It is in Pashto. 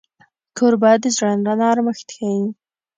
کوربه د زړه نرمښت ښيي.